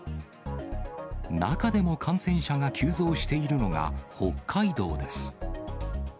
中でも感染者が急増しているのが北海道です。